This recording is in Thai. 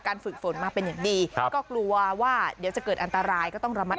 การฝึกฝนมาเป็นอย่างดีก็กลัวว่าเดี๋ยวจะเกิดอันตรายก็ต้องรับมัด